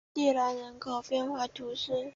蒂兰人口变化图示